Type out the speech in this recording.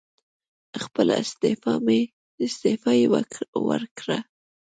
خپله استعفی یې ورکړه.